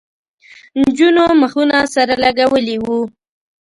نجونو مخونه سره لگولي وو.